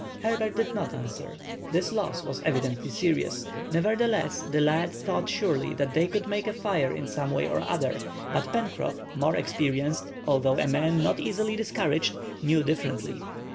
Herbert did not answer. This loss was evidently serious. Nevertheless, the lad thought surely they could make a fire in some way or other, but Pencroff, more experienced, although a man not easily discouraged, knew differently.